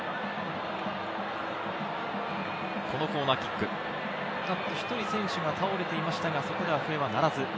このコーナーキック、１人選手が倒れていましたが、笛は鳴らず。